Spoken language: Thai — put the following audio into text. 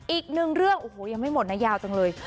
อีกหนึ่งเรื่องโอ้โหยังไม่หมดนะยาวจังเลย